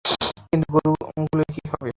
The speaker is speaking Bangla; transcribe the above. কিন্তু গরুগুলোর কী হবে?